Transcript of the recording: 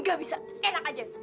gak bisa enak aja